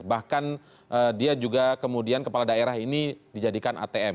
bahkan dia juga kemudian kepala daerah ini dijadikan atm